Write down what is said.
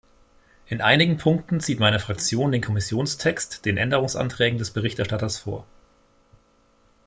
In einigen Punkten zieht meine Fraktion den Kommissionstext den Änderungsanträgen des Berichterstatters vor.